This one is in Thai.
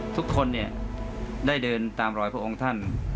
ทุกคนได้เดินตามรอยพระองค์ท่าน